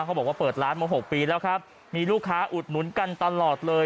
บอกว่าเปิดร้านมา๖ปีแล้วครับมีลูกค้าอุดหนุนกันตลอดเลย